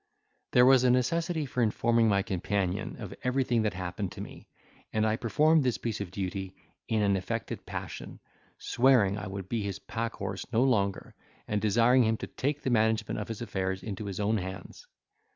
There was a necessity for informing my companion of everything that happened to me and I performed this piece of duty in an affected passion, swearing I would be his pack horse no longer, and desiring him to take the management of his affairs into his own hands.